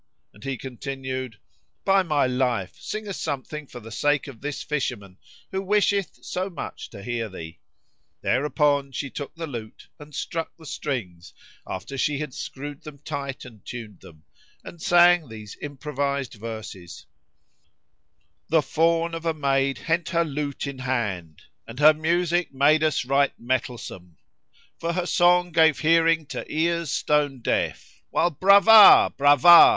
and he continued, "By my life, sing us something for the sake of this fisherman who wisheth so much to hear thee." Thereupon she took the lute and struck the strings, after she had screwed them tight and tuned them, and sang these improvised verses, "The fawn of a maid hent her lute in hand * And her music made us right mettlesome: For her song gave hearing to ears stone deaf, * While Brava! Brava!